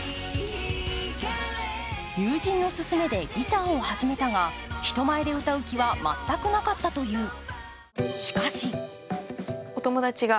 友人の勧めでギターを始めたが人前で歌う気は全くなかったという。